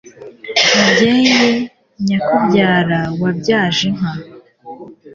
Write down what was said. mubyeyi nyakubyara wabyaje inka